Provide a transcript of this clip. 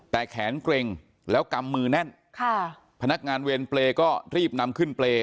แต่แขนเกร็งแล้วกำมือแน่นค่ะพนักงานเวรเปรย์ก็รีบนำขึ้นเปรย์